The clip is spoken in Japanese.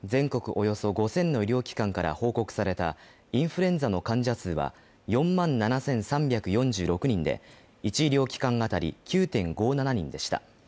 およそ５０００の医療機関から報告されたインフルエンザの患者数は４万７３４６人で１医療機関当たり９．５７人でした。